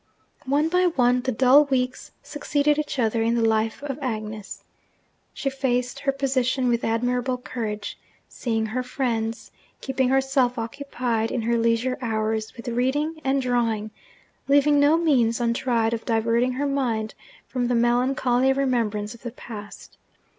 One by one the dull weeks succeeded each other in the life of Agnes. She faced her position with admirable courage, seeing her friends, keeping herself occupied in her leisure hours with reading and drawing, leaving no means untried of diverting her mind from the melancholy remembrance of the past.